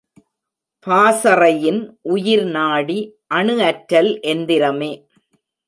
பாசறையின் உயிர்நாடி அணு அற்றல் எந்திரமே.